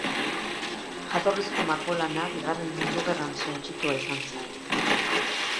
Jatorrizko margolana Bigarren Mundu Gerran suntsitua izan zen.